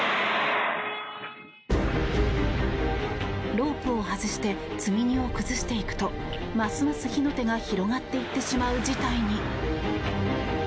ロープを外して積み荷を崩していくとますます火の手が広がっていってしまう事態に。